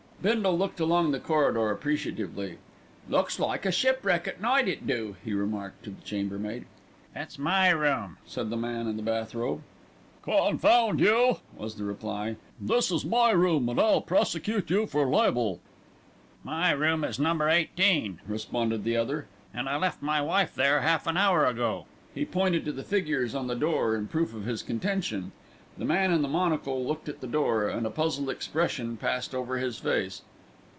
Bindle looked along the corridor appreciatively. "Looks like a shipwreck at night, it do," he remarked to the chambermaid. "It's my room," said the man in the bathrobe. "Confound you," was the reply, "this is my room, and I'll prosecute you for libel." "My room is No. 18," responded the other, "and I left my wife there half an hour ago." He pointed to the figures on the door in proof of his contention. The man in the monocle looked at the door, and a puzzled expression passed over his face.